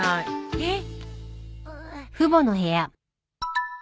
えっ？